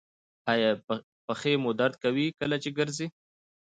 ایا پښې مو درد کوي کله چې ګرځئ؟